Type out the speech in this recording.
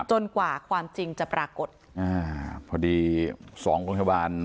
จนกว่าความจริงจะปรากฏอ่าพอดีสองโรงพยาบาล